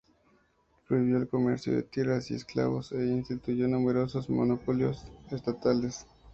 Prohibió el comercio de tierras y esclavos e instituyó numerosos monopolios estatales.